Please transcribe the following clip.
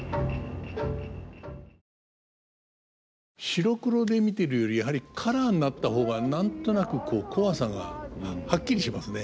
白黒で見てるよりやはりカラーになった方が何となくコワさがはっきりしますね。